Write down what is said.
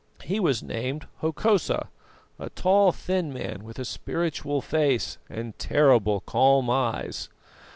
He was named Hokosa, a tall, thin man, with a spiritual face and terrible calm eyes.